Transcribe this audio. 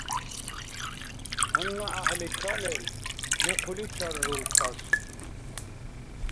Гьанна гӀяхӀли кален! Ну хъули чаррулхъас.